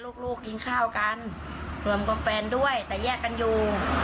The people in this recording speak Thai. ลูกกินข้าวกันรวมกับแฟนด้วยแต่แยกกันอยู่